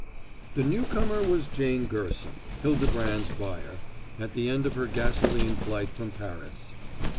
The newcomer was Jane Gerson, Hildebrand's buyer, at the end of her gasoline flight from Paris.